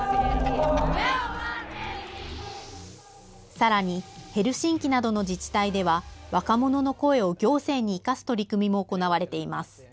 さらに、ヘルシンキなどの自治体では若者の声を行政に生かす取り組みも行われています。